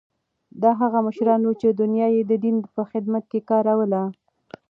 دا هغه مشران وو چې دنیا یې د دین په خدمت کې کاروله.